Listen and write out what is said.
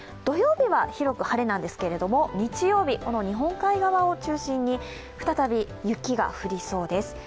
土曜日は広く晴れなんですけれども、日曜日、日本海側を中心に再び雪が降りそうです。